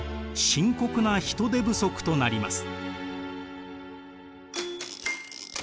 深刻な人手不足となります。